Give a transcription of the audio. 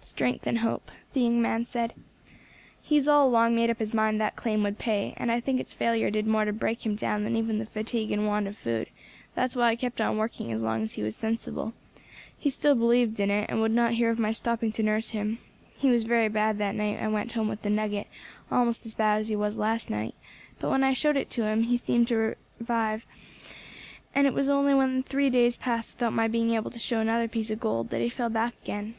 "Strength and hope," the young man said. "He has all along made up his mind that claim would pay, and I think its failure did more to break him down than even the fatigue and want of food; that was why I kept on working as long as he was sensible. He still believed in it, and would not hear of my stopping to nurse him. He was very bad that night I went home with the nugget, almost as bad as he was last night; but when I showed it him he seemed to revive, and it was only when three days passed without my being able to show another spec of gold that he fell back again."